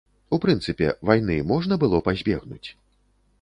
У прынцыпе, вайны можна было пазбегнуць?